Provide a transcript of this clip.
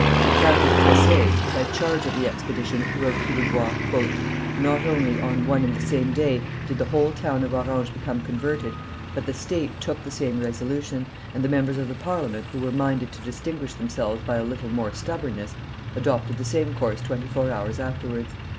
The Count of Tesse, who had charge of the expedition, wrote to Louvois, "Not only, on one and the same day, did the whole town of Orange become converted, but the state took the same resolution, and the members of the Parliament, who were minded to distinguish themselves by a little more stubbornness, adopted the same course twenty four hours afterwards.